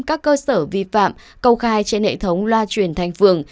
các cơ sở vi phạm công khai trên hệ thống loa truyền thanh phường